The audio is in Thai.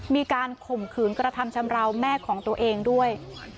ข่มขืนกระทำชำราวแม่ของตัวเองด้วย